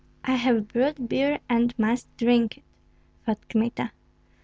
"I have brewed beer and must drink it," thought Kmita.